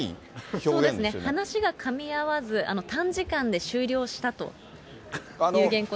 そうですね、話がかみ合わず、短時間で終了したという原稿。